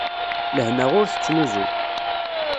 Lehna ur tettnuzu.